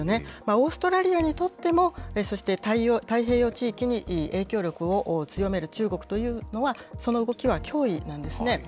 オーストラリアにとっても、そして太平洋地域に影響力を強める中国というのは、その動きは脅威なんですね。